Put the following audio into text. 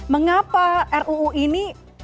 mengapa ruu ini